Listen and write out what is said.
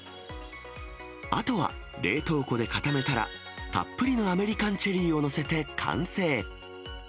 あとは、冷凍庫で固めたら、たっぷりのアメリカンチェリーを載せて完成。